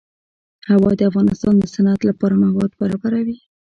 هوا د افغانستان د صنعت لپاره مواد برابروي.